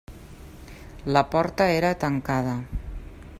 La porta era tancada.